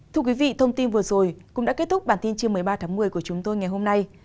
thưa quý vị thông tin vừa rồi cũng đã kết thúc bản tin trưa một mươi ba tháng một mươi của chúng tôi ngày hôm nay